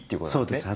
そうです。